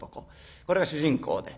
これが主人公で。